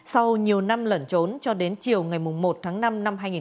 sau nhiều năm lẩn trốn cho đến chiều ngày một tháng năm năm hai nghìn một mươi chín